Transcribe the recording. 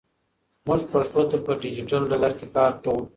موږ پښتو ته په ډیجیټل ډګر کې کار کوو.